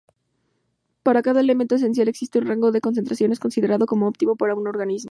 Para cada elemento esencial existe un rango de concentraciones considerado óptimo para un organismo.